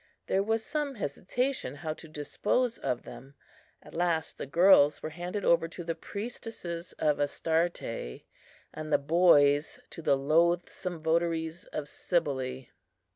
There was some hesitation how to dispose of them; at last the girls were handed over to the priestesses of Astarte, and the boys to the loathsome votaries of Cybele.